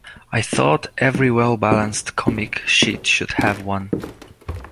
I thought every well-balanced comic sheet should have one.